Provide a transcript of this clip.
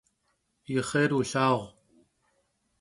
Yi xhêr vulhağu!